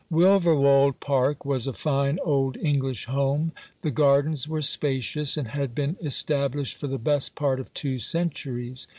Wilverwold Park was a fine old English home. The gardens were spacious, and had been estab lished for the best part of two centuries.